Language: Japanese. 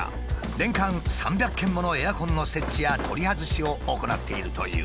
年間３００件ものエアコンの設置や取り外しを行っているという。